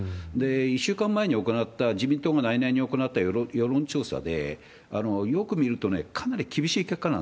１週間前に行った、自民党が内々に行った世論調査で、よく見るとね、かなり厳しい結果だった。